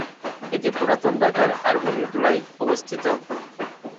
এটি পুরাতন ঢাকার আরমানীটোলায় অবস্থিত।